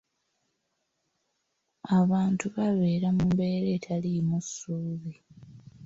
Abantu babeera mu mbeera etaliimu ssuubi.